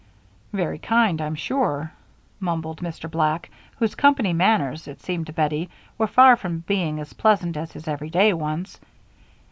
"Very kind, I'm sure," mumbled Mr. Black, whose company manners, it seemed to Bettie, were far from being as pleasant as his everyday ones.